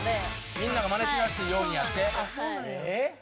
「みんながマネしやすいようにやって」